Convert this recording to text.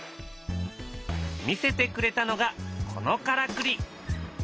見せてくれたのがこのからくり。